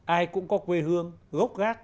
ai cũng có quê hương